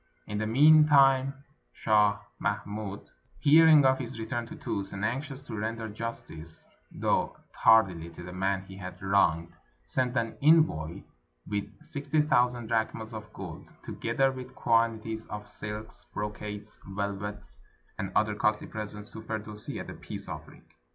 In the mean time Shah Mahmud, hearing of his return to Tus, and anxious to render justice, though tardily, to the man he had wronged, sent an envoy with sixty thousand drachms of gold, together with quanti ties of silks, brocades, velvets, and other costly presents, to Firdusi as a peace offering.